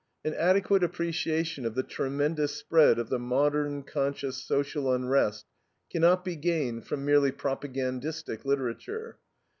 An adequate appreciation of the tremendous spread of the modern, conscious social unrest cannot be gained from merely propagandistic literature.